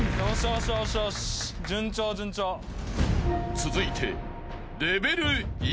［続いて］